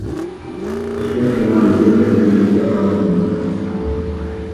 أشجتك منزلة بمرجي راهط